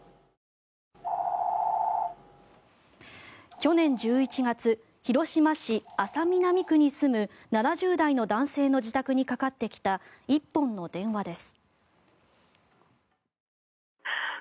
去年１１月広島市安佐南区に住む７０代の男性の自宅にかかってきた１本の電話です。